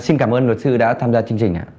xin cảm ơn luật sư đã tham gia chương trình ạ